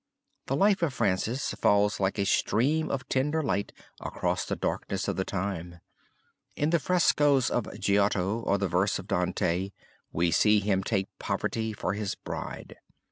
The life of Francis falls like a stream of tender light across the darkness of the time. In the frescoes of Giotto or the verse of Dante we see him take Poverty for his bride.